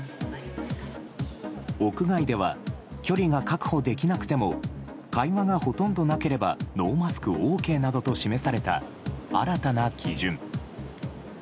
屋外では距離が確保できなくても会話がほとんどなければノーマスクＯＫなどと示された新たな基準。